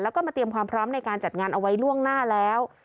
แล้วก็มาเตรียมความพร้อมในการจัดงานเอาไว้ล่วงหน้าแล้ว